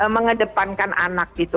mengedepankan anak gitu